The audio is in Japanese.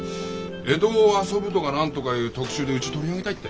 「江戸を遊ぶ」とか何とかいう特集でうち取り上げたいって。